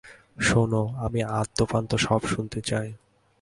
শোনো, আমি আদ্যপান্ত সব শুনতে চাই।